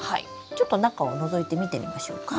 ちょっと中をのぞいて見てみましょうか。